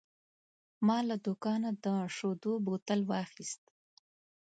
ما له دوکانه د شیدو بوتل واخیست.